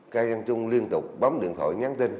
cài văn trung liên tục bấm điện thoại nhắn tin